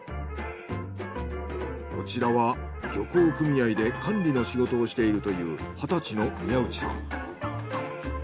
こちらは漁港組合で管理の仕事をしているという２０歳の宮内さん。